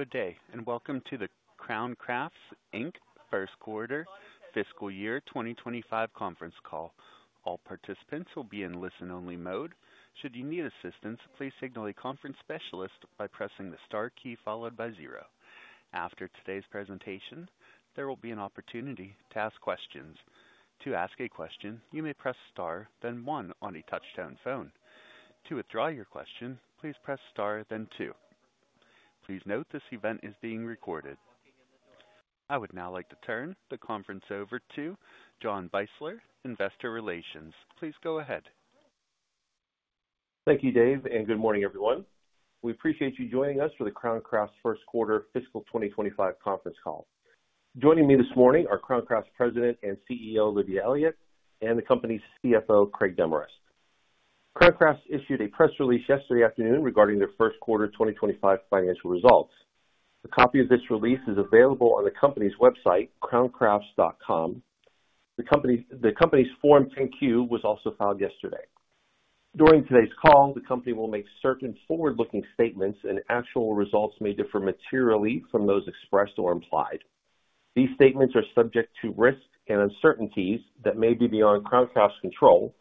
Good day, and welcome to the Crown Crafts, Inc., first quarter fiscal year 2025 conference call. All participants will be in listen-only mode. Should you need assistance, please signal a conference specialist by pressing the star key followed by zero. After today's presentation, there will be an opportunity to ask questions. To ask a question, you may press Star, then one on a touchtone phone. To withdraw your question, please press Star, then two. Please note, this event is being recorded. I would now like to turn the conference over to John Beisler, Investor Relations. Please go ahead. Thank you, Dave, and good morning, everyone. We appreciate you joining us for the Crown Crafts first quarter fiscal 2025 conference call. Joining me this morning are Crown Crafts President and CEO, Olivia Elliott, and the company's CFO, Craig Demarest. Crown Crafts issued a press release yesterday afternoon regarding their first quarter 2025 financial results. A copy of this release is available on the company's website, crowncrafts.com. The company's Form 10-Q was also filed yesterday. During today's call, the company will make certain forward-looking statements, and actual results may differ materially from those expressed or implied. These statements are subject to risks and uncertainties that may be beyond Crown Crafts' control.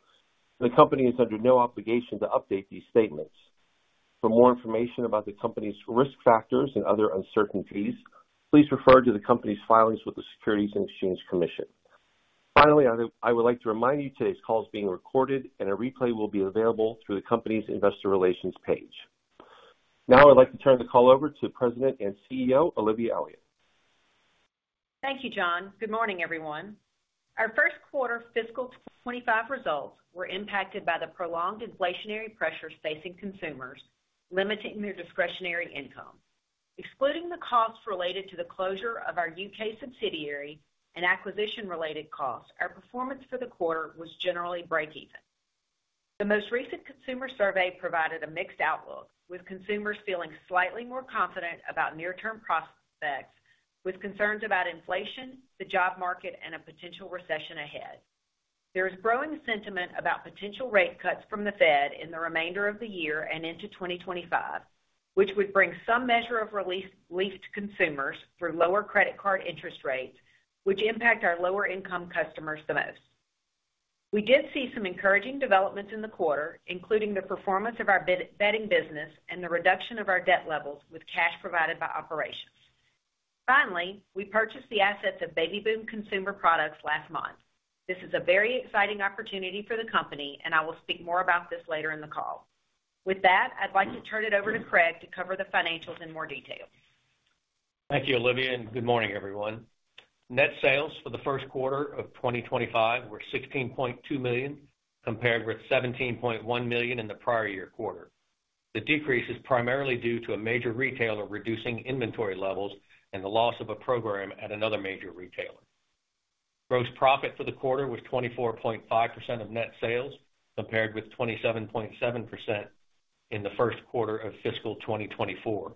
The company is under no obligation to update these statements. For more information about the company's risk factors and other uncertainties, please refer to the company's filings with the Securities and Exchange Commission. Finally, I would like to remind you today's call is being recorded, and a replay will be available through the company's investor relations page. Now, I'd like to turn the call over to President and CEO, Olivia Elliott. Thank you, John. Good morning, everyone. Our first quarter fiscal 2025 results were impacted by the prolonged inflationary pressures facing consumers, limiting their discretionary income. Excluding the costs related to the closure of our UK subsidiary and acquisition-related costs, our performance for the quarter was generally breakeven. The most recent consumer survey provided a mixed outlook, with consumers feeling slightly more confident about near-term prospects, with concerns about inflation, the job market, and a potential recession ahead. There is growing sentiment about potential rate cuts from the Fed in the remainder of the year and into 2025, which would bring some measure of relief to consumers through lower credit card interest rates, which impact our lower-income customers the most. We did see some encouraging developments in the quarter, including the performance of our bedding business and the reduction of our debt levels with cash provided by operations. Finally, we purchased the assets of Baby Boom Consumer Products last month. This is a very exciting opportunity for the company, and I will speak more about this later in the call. With that, I'd like to turn it over to Craig to cover the financials in more detail. Thank you, Olivia, and good morning, everyone. Net sales for the first quarter of 2025 were $16.2 million, compared with $17.1 million in the prior year quarter. The decrease is primarily due to a major retailer reducing inventory levels and the loss of a program at another major retailer. Gross profit for the quarter was 24.5% of net sales, compared with 27.7% in the first quarter of fiscal 2024.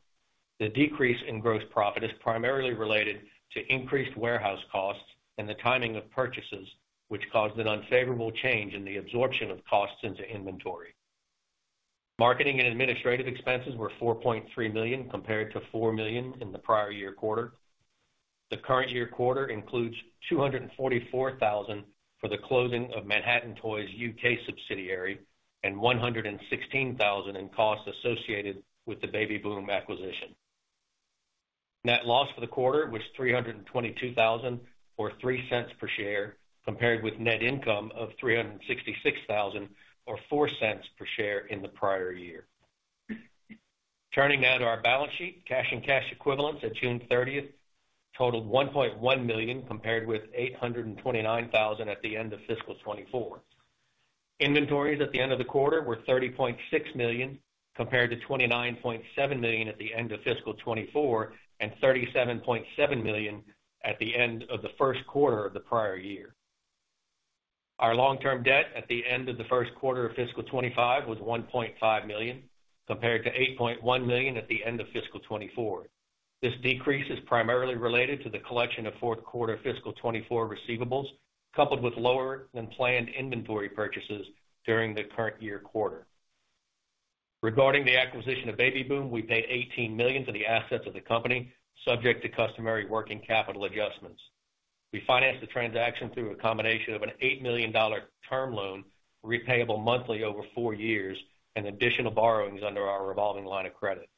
The decrease in gross profit is primarily related to increased warehouse costs and the timing of purchases, which caused an unfavorable change in the absorption of costs into inventory. Marketing and administrative expenses were $4.3 million, compared to $4 million in the prior year quarter. The current year quarter includes $244 thousand for the closing of Manhattan Toy's U.K. subsidiary and $116 thousand in costs associated with the Baby Boom acquisition. Net loss for the quarter was $322 thousand, or $0.03 per share, compared with net income of $366 thousand, or $0.04 per share in the prior year. Turning now to our balance sheet. Cash and cash equivalents at June 30 totaled $1.1 million, compared with $829 thousand at the end of fiscal 2024. Inventories at the end of the quarter were $30.6 million, compared to $29.7 million at the end of fiscal 2024 and $37.7 million at the end of the first quarter of the prior year. Our long-term debt at the end of the first quarter of fiscal 2025 was $1.5 million, compared to $8.1 million at the end of fiscal 2024. This decrease is primarily related to the collection of fourth quarter fiscal 2024 receivables, coupled with lower-than-planned inventory purchases during the current year quarter. Regarding the acquisition of Baby Boom, we paid $18 million for the assets of the company, subject to customary working capital adjustments. We financed the transaction through a combination of an $8 million term loan, repayable monthly over four years, and additional borrowings under our revolving line of credit.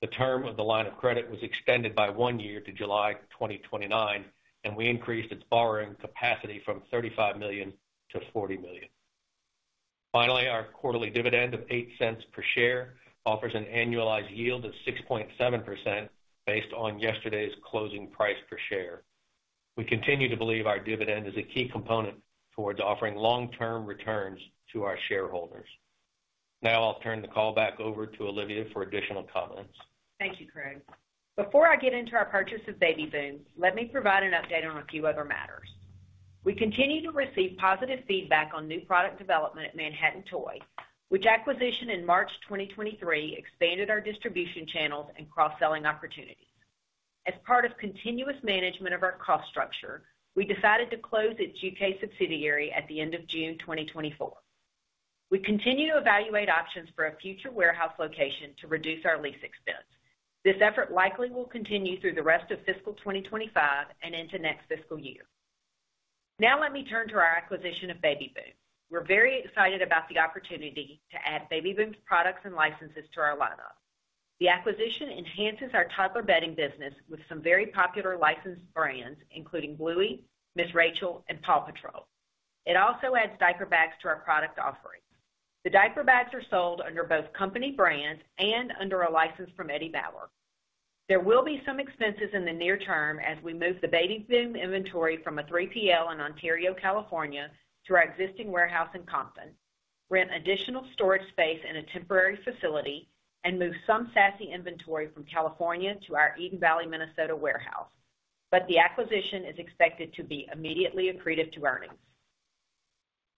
The term of the line of credit was extended by one year to July 2029, and we increased its borrowing capacity from $35 million-$40 million. Finally, our quarterly dividend of $0.08 per share offers an annualized yield of 6.7% based on yesterday's closing price per share. We continue to believe our dividend is a key component towards offering long-term returns to our shareholders. Now, I'll turn the call back over to Olivia for additional comments. Thank you, Craig. Before I get into our purchase of Baby Boom, let me provide an update on a few other matters. We continue to receive positive feedback on new product development at Manhattan Toy, which acquisition in March 2023 expanded our distribution channels and cross-selling opportunities. As part of continuous management of our cost structure, we decided to close its U.K. subsidiary at the end of June 2024. We continue to evaluate options for a future warehouse location to reduce our lease expense. This effort likely will continue through the rest of fiscal 2025 and into next fiscal year. Now, let me turn to our acquisition of Baby Boom. We're very excited about the opportunity to add Baby Boom's products and licenses to our lineup. The acquisition enhances our toddler bedding business with some very popular licensed brands, including Bluey, Ms. Rachel, and PAW Patrol. It also adds diaper bags to our product offerings. The diaper bags are sold under both company brands and under a license from Eddie Bauer. There will be some expenses in the near term as we move the Baby Boom inventory from a 3PL in Ontario, California, to our existing warehouse in Compton, rent additional storage space in a temporary facility, and move some Sassy inventory from California to our Eden Valley, Minnesota, warehouse. But the acquisition is expected to be immediately accretive to earnings.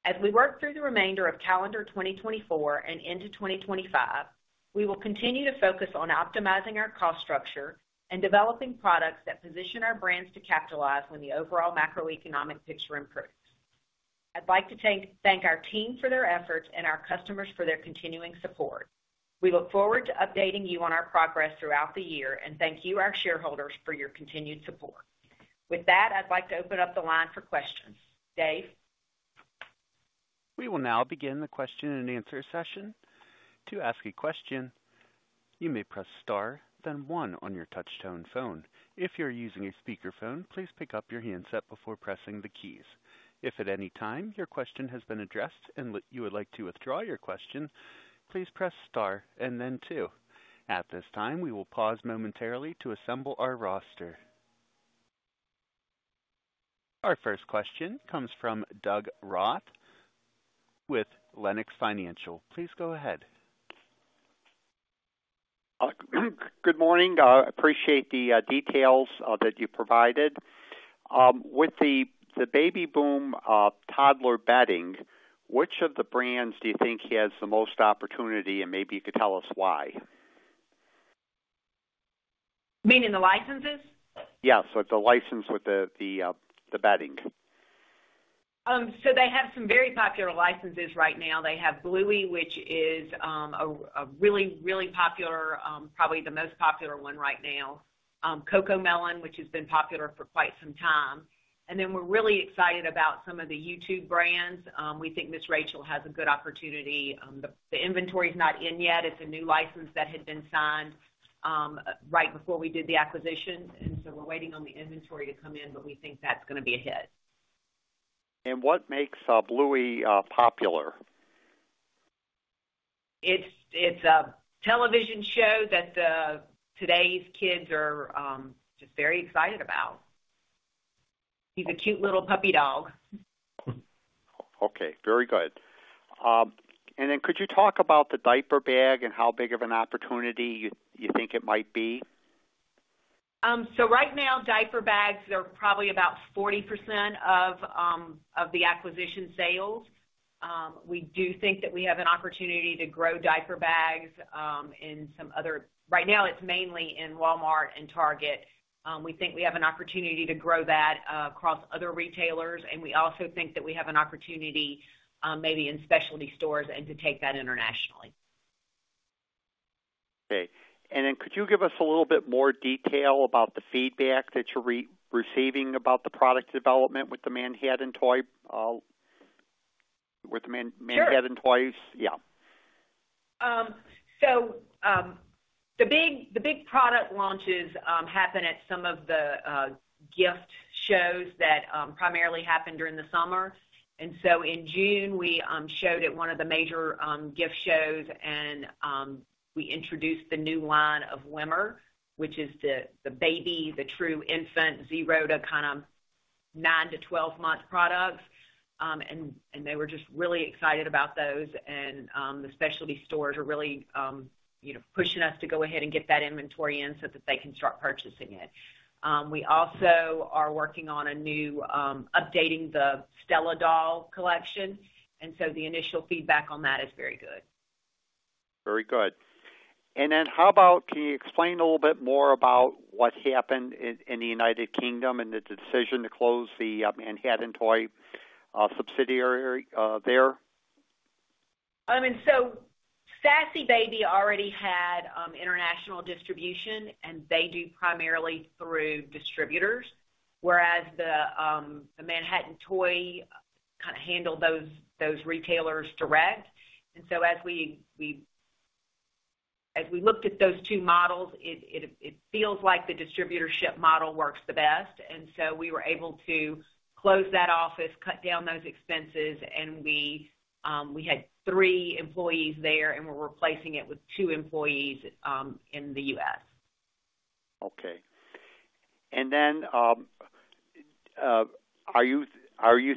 As we work through the remainder of calendar 2024 and into 2025, we will continue to focus on optimizing our cost structure and developing products that position our brands to capitalize when the overall macroeconomic picture improves. I'd like to thank our team for their efforts and our customers for their continuing support. We look forward to updating you on our progress throughout the year and thank you, our shareholders, for your continued support. With that, I'd like to open up the line for questions. Dave? We will now begin the question and answer session. To ask a question, you may press Star, then one on your touchtone phone. If you're using a speakerphone, please pick up your handset before pressing the keys. If at any time your question has been addressed and you would like to withdraw your question, please press Star and then two. At this time, we will pause momentarily to assemble our roster. Our first question comes from Doug Ruth with Lenox Financial. Please go ahead. Good morning, appreciate the details that you provided. With the Baby Boom toddler bedding, which of the brands do you think has the most opportunity? And maybe you could tell us why. Meaning the licenses? Yeah, so the license with the bedding. So they have some very popular licenses right now. They have Bluey, which is a really, really popular, probably the most popular one right now. CoComelon, which has been popular for quite some time, and then we're really excited about some of the YouTube brands. We think Ms. Rachel has a good opportunity. The inventory is not in yet. It's a new license that had been signed right before we did the acquisition, and so we're waiting on the inventory to come in, but we think that's gonna be a hit. What makes Bluey popular? It's a television show that today's kids are just very excited about. He's a cute little puppy dog. Okay, very good. And then could you talk about the diaper bag and how big of an opportunity you think it might be? So right now, diaper bags are probably about 40% of the acquisition sales. We do think that we have an opportunity to grow diaper bags in some other... Right now, it's mainly in Walmart and Target. We think we have an opportunity to grow that across other retailers, and we also think that we have an opportunity maybe in specialty stores and to take that internationally. Okay, and then could you give us a little bit more detail about the feedback that you're receiving about the product development with the Manhattan Toy? With the Manhattan Toys. Sure. Yeah. So, the big product launches happen at some of the gift shows that primarily happen during the summer. So in June, we showed at one of the major gift shows, and we introduced the new line of Wimmer, which is the true infant 0 to kind of 9-12-month products. And they were just really excited about those, and the specialty stores are really, you know, pushing us to go ahead and get that inventory in so that they can start purchasing it. We also are working on a new updating the Stella Doll collection, and so the initial feedback on that is very good. Very good. And then how about, can you explain a little bit more about what happened in the United Kingdom and the decision to close the Manhattan Toy subsidiary there? I mean, so Sassy Baby already had international distribution, and they do primarily through distributors, whereas the Manhattan Toy kinda handled those retailers direct. And so as we looked at those two models, it feels like the distributorship model works the best, and so we were able to close that office, cut down those expenses, and we had three employees there, and we're replacing it with two employees in the US. Okay. And then, are you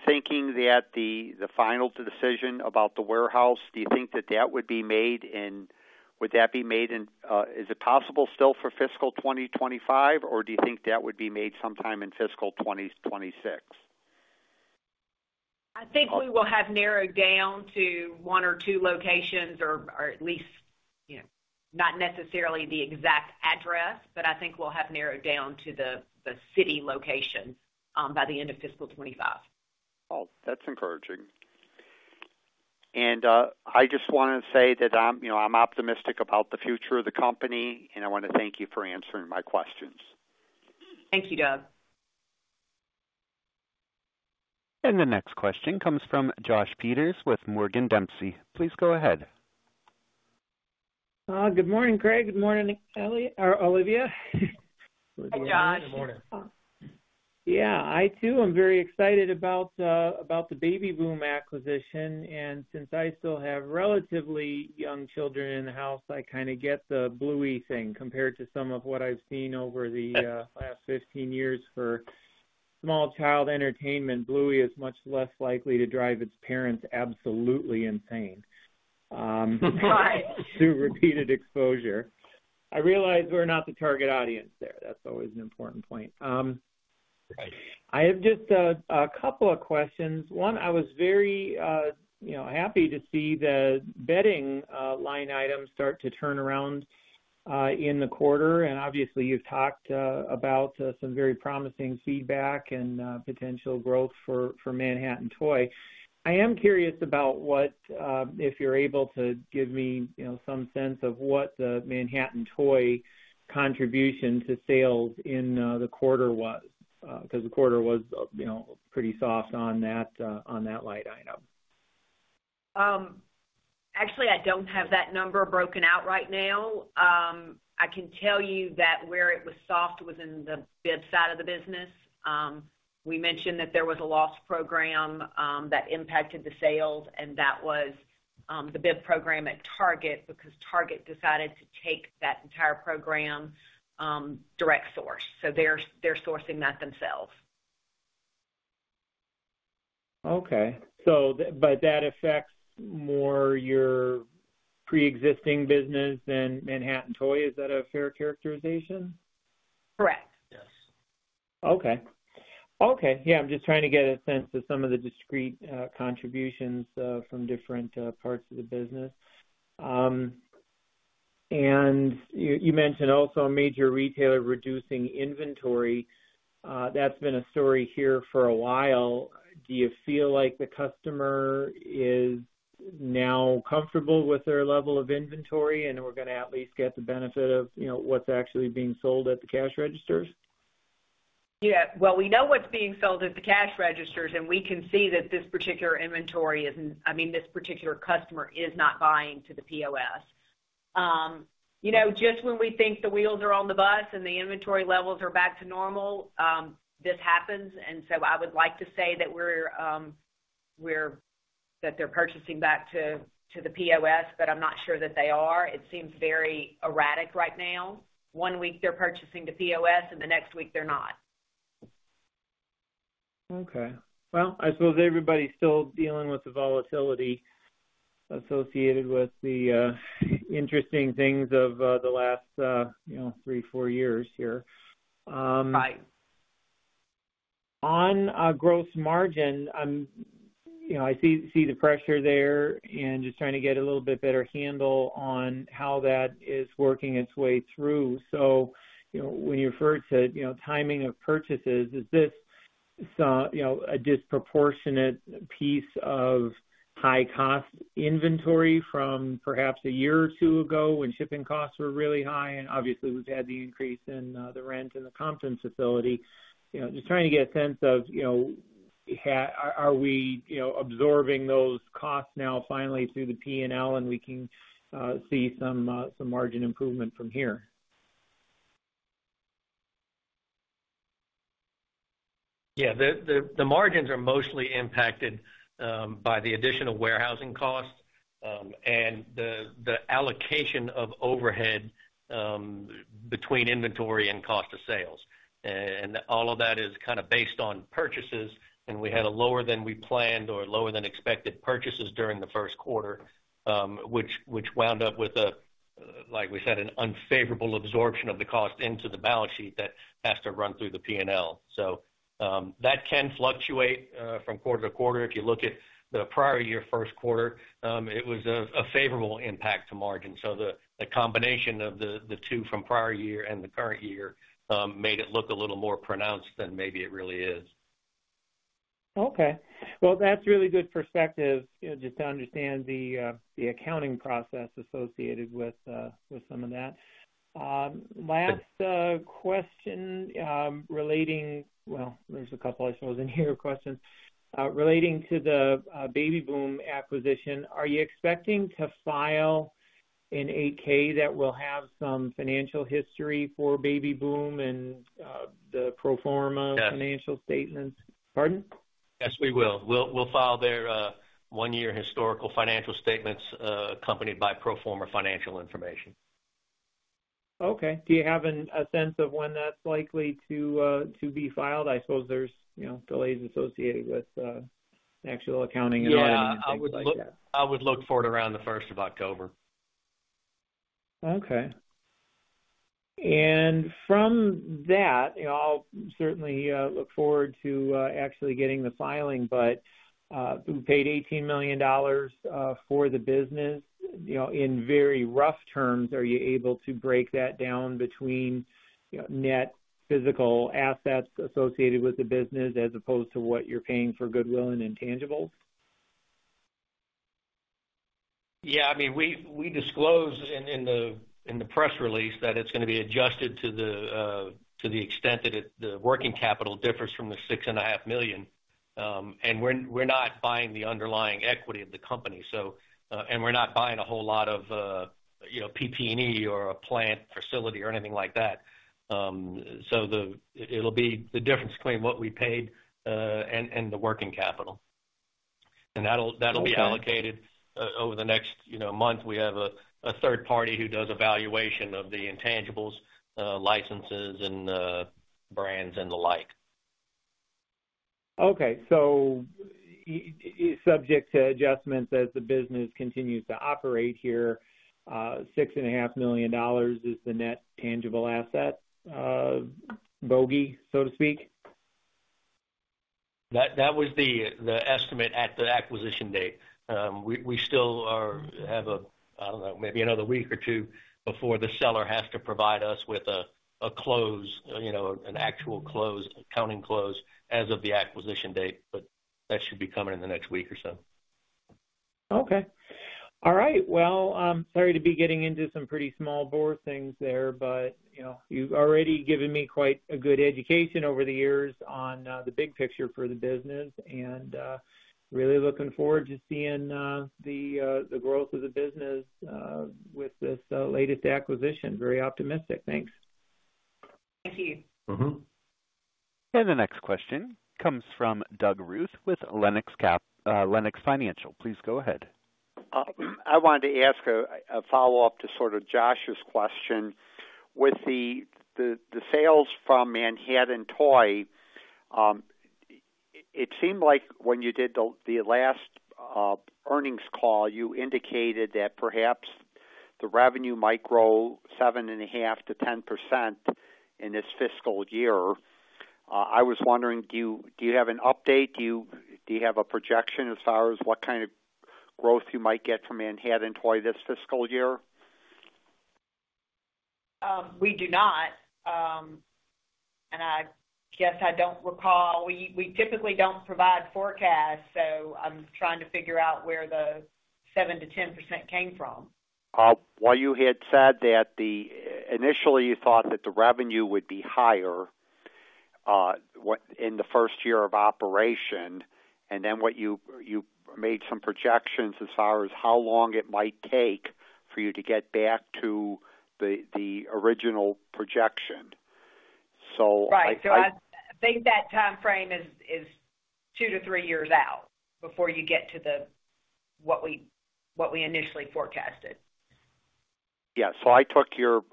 thinking that the final decision about the warehouse, do you think that would be made in... Would that be made in, is it possible still for fiscal 2025, or do you think that would be made sometime in fiscal 2026? I think we will have narrowed down to one or two locations or, or at least—you know, not necessarily the exact address, but I think we'll have narrowed down to the, the city location, by the end of fiscal 2025. Well, that's encouraging. I just wanted to say that I'm, you know, I'm optimistic about the future of the company, and I want to thank you for answering my questions. Thank you, Doug. The next question comes from Josh Peters with Morgan Dempsey. Please go ahead. Good morning, Craig. Good morning, Ellie or Olivia. Hi, Josh. Good morning. Yeah, I too am very excited about the Baby Boom acquisition, and since I still have relatively young children in the house, I kind of get the Bluey thing compared to some of what I've seen over the last 15 years for small child entertainment. Bluey is much less likely to drive its parents absolutely insane. Right through repeated exposure. I realize we're not the target audience there. That's always an important point. I have just a couple of questions. One, I was very, you know, happy to see the bedding line items start to turn around in the quarter, and obviously, you've talked about some very promising feedback and potential growth for Manhattan Toy. I am curious about what. If you're able to give me, you know, some sense of what the Manhattan Toy contribution to sales in the quarter was? Because the quarter was, you know, pretty soft on that line item. Actually, I don't have that number broken out right now. I can tell you that where it was soft was in the bib side of the business. We mentioned that there was a lost program that impacted the sales, and that was the bib program at Target, because Target decided to take that entire program direct source. So they're sourcing that themselves. Okay. So, but that affects more your pre-existing business than Manhattan Toy. Is that a fair characterization? Correct. Yes. Okay. Okay. Yeah, I'm just trying to get a sense of some of the discrete contributions from different parts of the business. You mentioned also a major retailer reducing inventory. That's been a story here for a while. Do you feel like the customer is now comfortable with their level of inventory, and we're going to at least get the benefit of, you know, what's actually being sold at the cash registers? Yeah. Well, we know what's being sold at the cash registers, and we can see that this particular inventory isn't, I mean, this particular customer is not buying to the POS. You know, just when we think the wheels are on the bus and the inventory levels are back to normal, this happens. And so I would like to say that we're, that they're purchasing back to the POS, but I'm not sure that they are. It seems very erratic right now. One week they're purchasing to POS, and the next week they're not. Okay. Well, I suppose everybody's still dealing with the volatility associated with the interesting things of the last, you know, 3, 4 years here. Right. On gross margin, you know, I see, I see the pressure there and just trying to get a little bit better handle on how that is working its way through. So, you know, when you refer to, you know, timing of purchases, is this, you know, a disproportionate piece of high-cost inventory from perhaps a year or two ago when shipping costs were really high, and obviously, we've had the increase in the rent and the Compton facility. You know, just trying to get a sense of, you know, are we, you know, absorbing those costs now, finally through the P&L, and we can see some margin improvement from here? Yeah, the margins are mostly impacted by the additional warehousing costs and the allocation of overhead between inventory and cost of sales. And all of that is kind of based on purchases, and we had a lower than we planned or lower than expected purchases during the first quarter, which wound up with, like we said, an unfavorable absorption of the cost into the balance sheet that has to run through the P&L. So, that can fluctuate from quarter to quarter. If you look at the prior year first quarter, it was a favorable impact to margin. So the combination of the two from prior year and the current year made it look a little more pronounced than maybe it really is. Okay. Well, that's really good perspective, you know, just to understand the accounting process associated with some of that. Last question relating... Well, there's a couple, I suppose, in here, questions. Relating to the Baby Boom acquisition, are you expecting to file an 8-K that will have some financial history for Baby Boom and the pro forma- Yes financial statements? Pardon? Yes, we will. We'll file their one-year historical financial statements, accompanied by pro forma financial information. Okay. Do you have a sense of when that's likely to be filed? I suppose there's, you know, delays associated with actual accounting and- Yeah, I would look- things like that. I would look for it around the first of October. Okay. From that, you know, I'll certainly look forward to actually getting the filing, but we paid $18 million for the business. You know, in very rough terms, are you able to break that down between, you know, net physical assets associated with the business as opposed to what you're paying for goodwill and intangibles? Yeah, I mean, we disclosed in the press release that it's going to be adjusted to the extent that it, the working capital differs from the $6.5 million. And we're not buying the underlying equity of the company, so, and we're not buying a whole lot of, you know, PP&E or a plant facility or anything like that. So it'll be the difference between what we paid and the working capital. And that'll be allocated over the next, you know, month. We have a third party who does evaluation of the intangibles, licenses and brands and the like. Okay. So subject to adjustments as the business continues to operate here, $6.5 million is the net tangible asset, bogey, so to speak? That was the estimate at the acquisition date. We still have, I don't know, maybe another week or two before the seller has to provide us with a close, you know, an actual close, accounting close as of the acquisition date, but that should be coming in the next week or so. Okay. All right. Well, I'm sorry to be getting into some pretty small bore things there, but, you know, you've already given me quite a good education over the years on the big picture for the business, and really looking forward to seeing the growth of the business with this latest acquisition. Very optimistic. Thanks. Thank you. Mm-hmm. The next question comes from Doug Ruth with Lenox Financial. Please go ahead. I wanted to ask a follow-up to sort of Josh's question. With the sales from Manhattan Toy, it seemed like when you did the last earnings call, you indicated that perhaps the revenue might grow 7.5%-10% in this fiscal year. I was wondering, do you have an update? Do you have a projection as far as what kind of growth you might get from Manhattan Toy this fiscal year? We do not. I guess I don't recall. We, we typically don't provide forecasts, so I'm trying to figure out where the 7%-10% came from. Well, you had said that. Initially, you thought that the revenue would be higher in the first year of operation, and then what you made some projections as far as how long it might take for you to get back to the original projection. So- Right. So I think that timeframe is 2-3 years out before you get to the what we initially forecasted. Yeah. So I took your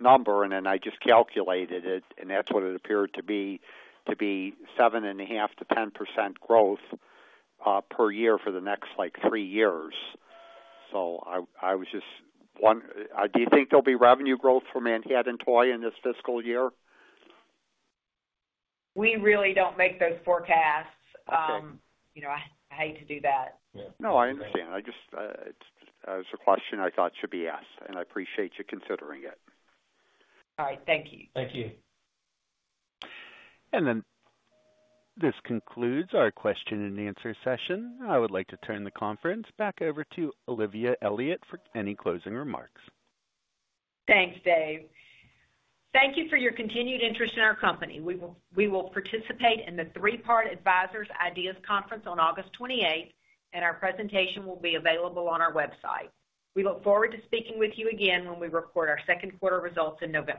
number, and then I just calculated it, and that's what it appeared to be 7.5%-10% growth per year for the next, like, three years. So I was just wondering, do you think there'll be revenue growth for Manhattan Toy in this fiscal year? We really don't make those forecasts. Okay. You know, I hate to do that. No, I understand. I just... It's a question I thought should be asked, and I appreciate you considering it. All right. Thank you. Thank you. This concludes our question and answer session. I would like to turn the conference back over to Olivia Elliott for any closing remarks. Thanks, Dave. Thank you for your continued interest in our company. We will participate in the Three Part Advisors IDEAS conference on August 28, and our presentation will be available on our website. We look forward to speaking with you again when we report our second quarter results in November.